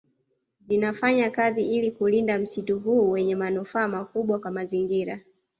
Zinafanya kazi ili kulinda msitu huu wenye manufaa makubwa kwa mazingira